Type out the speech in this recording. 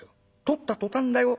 取った途端だよ